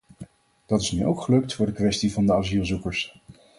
Dat is nu ook gelukt voor de kwestie van de asielzoekers.